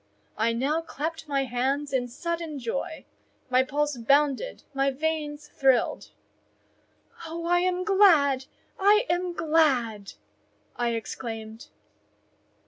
I now clapped my hands in sudden joy—my pulse bounded, my veins thrilled. "Oh, I am glad!—I am glad!" I exclaimed.